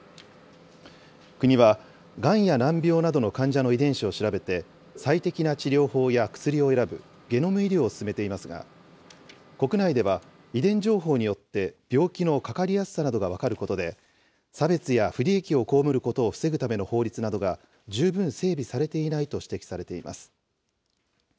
国はがんや難病などの患者の遺伝子を調べて、最適な治療法や薬を選ぶゲノム医療を進めていますが、国内では遺伝情報によって病気のかかりやすさなどが分かることで、差別や不利益を被ることを防ぐための法律などが、十分整備されていないと指摘されています。